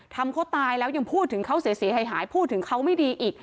ทำเขาตายแล้วยังพูดถึงเขาเสียหายพูดถึงเขาไม่ดีอีก